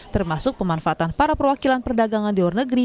termasuk pemanfaatan para perwakilan perdagangan di luar negeri